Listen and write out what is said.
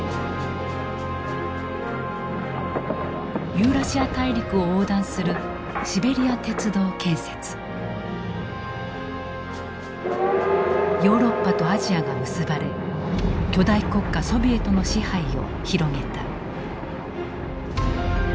ユーラシア大陸を横断するヨーロッパとアジアが結ばれ巨大国家ソビエトの支配を広げた。